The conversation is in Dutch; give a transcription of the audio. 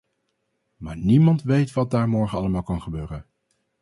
Maar niemand weet wat daar morgen allemaal kan gebeuren.